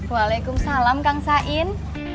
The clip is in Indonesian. waalaikumsalam kang sain